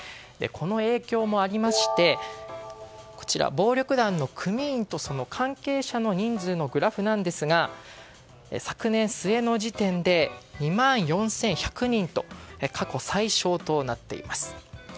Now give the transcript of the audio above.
この影響もありまして暴力団の組員とその関係者の人数のグラフなんですが昨年末の時点で２万４１００人と過去最少となっています。